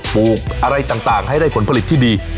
ลูกอะไรต่างให้ได้ผลผลิตที่ดี